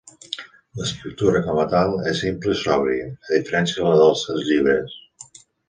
L'escriptura, com a tal, és simple i sòbria, a diferència de la dels seus altres llibres.